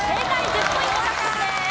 １０ポイント獲得です。